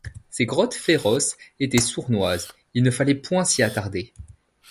Ces grottes féroces étaient sournoises ; il ne fallait point s’y attarder.